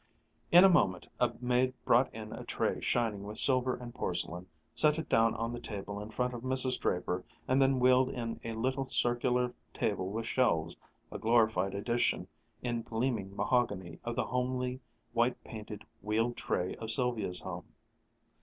In a moment a maid brought in a tray shining with silver and porcelain, set it down on the table in front of Mrs. Draper, and then wheeled in a little circular table with shelves, a glorified edition in gleaming mahogany of the homely, white painted wheeled tray of Sylvia's home.